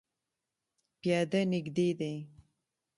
پیاده نږدې دی